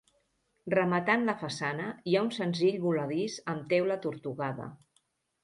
Rematant la façana hi ha un senzill voladís amb teula tortugada.